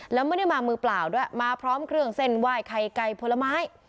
แล้วไม่ได้มามือเปล่าด้วยมาพร้อมเครื่องเส้นไหว้ไข่ไก่ผลไม้